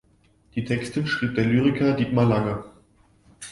Die Texte schrieb der Lyriker Dietmar Lange.